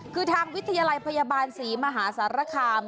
คือทางวิทยาลัยพยาบาลศรีมหาสารคาม